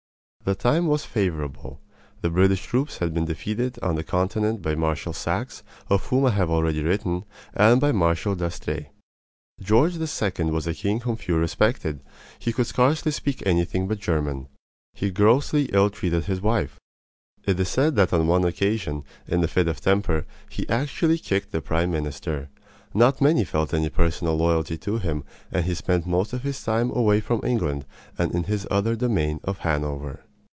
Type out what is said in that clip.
The time was favorable. The British troops had been defeated on the Continent by Marshal Saxe, of whom I have already written, and by Marshal d'Estrees. George II. was a king whom few respected. He could scarcely speak anything but German. He grossly ill treated his wife. It is said that on one occasion, in a fit of temper, he actually kicked the prime minister. Not many felt any personal loyalty to him, and he spent most of his time away from England in his other domain of Hanover.